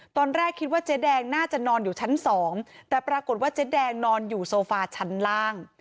ตอนแรกคิดว่าเจ๊แดงน่าจะนอนอยู่ชั้นสองแต่ปรากฏว่าเจ๊แดงนอนอยู่โซฟาชั้นล่าง